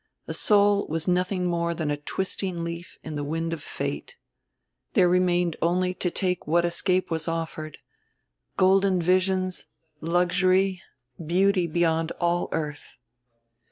A soul was nothing more than a twisting leaf in the wind of fate. There remained only to take what escape was offered golden visions, luxury, beauty beyond all earth.